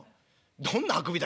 「どんなあくびだ